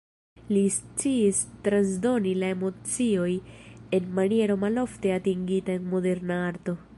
Li sciis transdoni la emocioj en maniero malofte atingita en moderna arto.